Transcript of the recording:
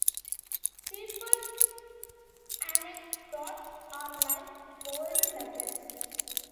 People's anecdotes are like gold nuggets.